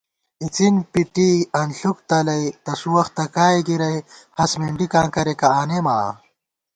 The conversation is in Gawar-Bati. اِڅِن پِٹی انݪُوک تلئ، تسُو وختہ کائےگِرَئی، ہست مېنڈِکاں کریَکہ آنېمہ آں